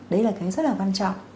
đấy là cái rất là quan trọng